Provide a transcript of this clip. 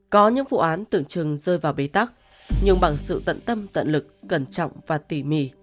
có những vụ án tưởng chừng rơi vào bế tắc nhưng bằng sự tận tâm tận lực cẩn trọng và tỉ mỉ